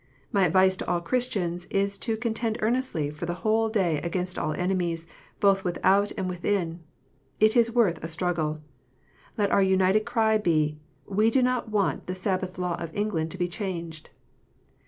My advice to all Christians is to contend earnestly for the whole day against all enemies, both without and within. It is worth a struggle. Let our united cry be, " We do not want the Sabbath law of England to be changed."